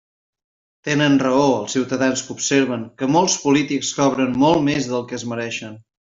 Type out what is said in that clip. Tenen raó els ciutadans que observen que molts polítics cobren molt més del que es mereixen.